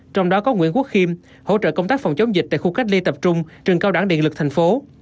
trong đó có nguyễn quốc khiêm hỗ trợ công tác phòng chống dịch tại khu cách ly tập trung trường cao đẳng điện lực thành phố